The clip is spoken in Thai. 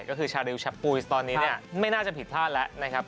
ก็คือชาริวชะปุยสตอนนี้เนี่ยไม่น่าจะผิดพลาดแล้วนะครับ